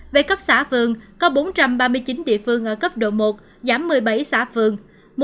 về cấp xã phường có bốn trăm ba mươi chín địa phương ở cấp độ một giảm một mươi bảy xã phường